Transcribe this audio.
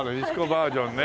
バージョンね。